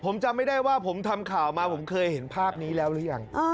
ผมจำไม่ได้ว่าผมทำข่าวมาผมเคยเห็นภาพนี้แล้วหรือยัง